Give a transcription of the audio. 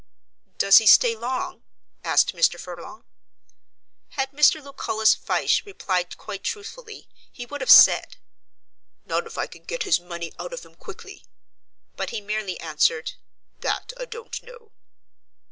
"Does he stay long?" asked Mr. Furlong. Had Mr. Lucullus Fyshe replied quite truthfully, he would have said, "Not if I can get his money out of him quickly," but he merely answered, "That I don't know."